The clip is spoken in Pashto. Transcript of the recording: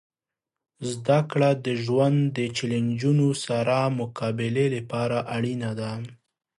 زدهکړه د ژوند د چیلنجونو سره مقابلې لپاره اړینه ده.